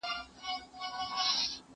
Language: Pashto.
زه به چپنه پاک کړې وي!.